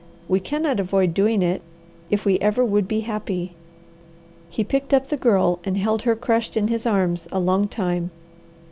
We cannot avoid doing it, if we ever would be happy." He picked up the Girl, and held her crushed in his arms a long time.